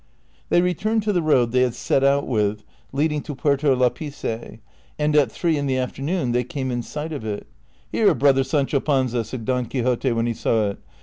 They returned to the road they had set out with, leading to Puerto Lapice, and at three in the afternoon, they came in sight of it. " Here, brother Sancho Panza," said Don Quixote when he saw it.